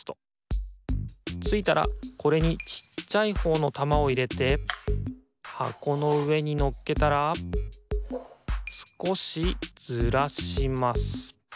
ついたらこれにちっちゃいほうのたまをいれてはこのうえにのっけたらすこしずらします。